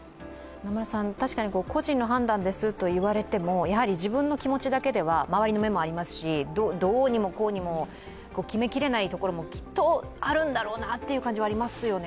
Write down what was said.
確かに個人の判断ですと言われても、やはり自分の気持ちだけでは周りの目もありますし、どうにもこうにも決めきれないところもきっとあるんだろうなという感じはありますよね。